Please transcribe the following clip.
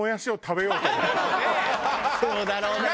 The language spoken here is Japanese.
そうだろうな。